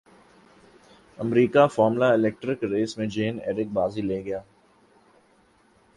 امریکہ formula electric race میں Jean Eric بازی لے گئے